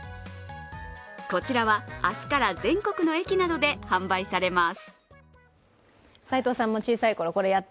こちらは明日から全国の駅などで販売されます。